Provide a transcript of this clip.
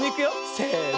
せの。